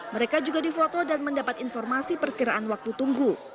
mereka juga difoto dan mendapat informasi perkiraan waktu tunggu